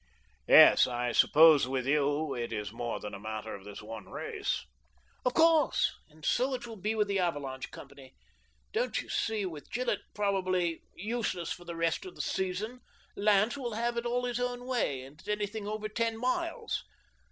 " Yes, I suppose with you it is more than a matter of this one race." " Of course. And so it will be with the * Avalanche ' company. Don't you see, with Gillett probably useless for the rest of the season, Lant will have it all his own way at anything over ten miles.